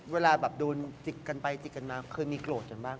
เวลาจิกกันไปจิกกันมาคือมีโกรธกันมาก